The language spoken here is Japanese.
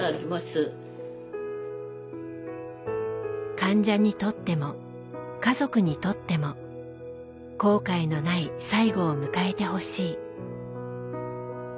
「患者にとっても家族にとっても後悔のない最期を迎えてほしい」。